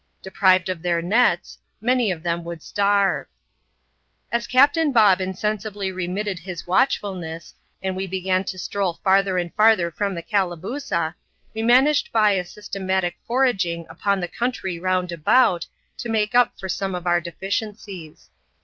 Deprived of their nets, many of them would starve. As Captain Bob insensibly remitted his watchfulness, and we began to stroll farther and farther from the Calabooza, we managed by a systematic foraging upon the country round about, to make up for some of our deficiencies.